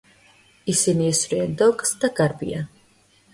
ისინი ესვრიან დოკს და გარბიან.